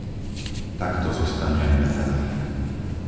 Tak to zostane aj naďalej.